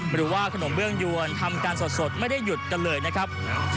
หรือว่าขนมเบื้องยวนทำกันสดไม่ได้หยุดกันเลยนะครับ